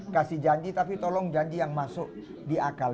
kasih janji tapi tolong janji yang masuk di akal